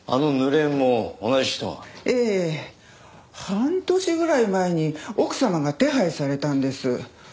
半年ぐらい前に奥様が手配されたんです。